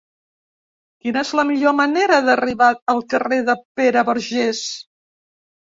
Quina és la millor manera d'arribar al carrer de Pere Vergés?